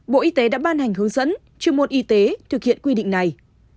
bộ y tế đã ban hành hướng dẫn chuyên môn y tế thực hiện quy định này